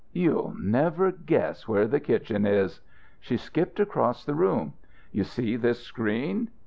"You'll never guess where the kitchen is!" She skipped across the room. "You see this screen?"